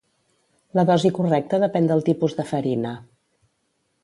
La dosi correcta depén del tipus de farina.